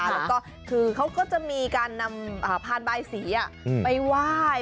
แล้วก็คือเขาก็จะมีการนำพานบายสีไปไหว้